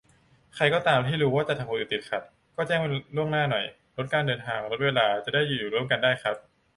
ใครก็ตาม ถ้ารู้ว่าจะทำคนอื่นติดขัด ก็แจ้งล่วงหน้าหน่อย ลดการเดินทาง ลดเวลา จะได้อยู่ร่วมกันได้ครับ